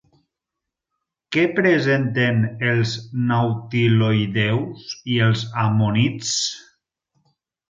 Què presenten els nautiloïdeus i els ammonits?